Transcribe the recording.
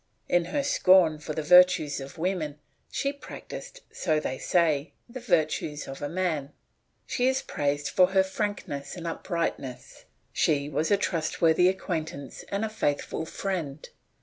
In her scorn for the virtues of women, she practised, so they say, the virtues of a man. She is praised for her frankness and uprightness; she was a trustworthy acquaintance and a faithful friend.